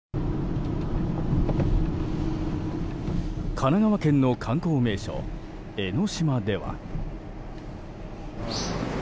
神奈川県の観光名所江の島では。